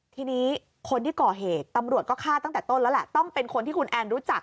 ทีนี้คนที่ก่อเหตุตำรวจก็ฆ่าตั้งแต่ต้นแล้วแหละต้องเป็นคนที่คุณแอนรู้จัก